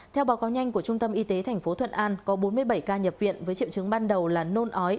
theo báo cáo nhanh của trung tâm y tế tp thuận an có bốn mươi bảy ca nhập viện với triệu chứng ban đầu là nôn ói